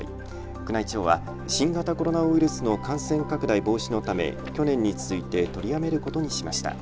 宮内庁は新型コロナウイルスの感染拡大防止のため去年に続いて取りやめることにしました。